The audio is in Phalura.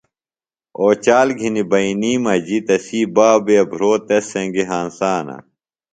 اوچال گِھنیۡ بئینی مجیۡ تسی بابوے بھرو تس سنگیۡ ہنسانہ۔